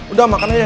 udah makan aja ya